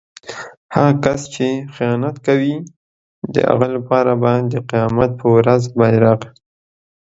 هغه کس چې خیانت کوي د هغه لپاره به د قيامت په ورځ بیرغ